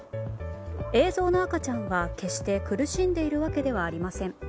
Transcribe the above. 映像の赤ちゃんは決して苦しんでるわけではありません。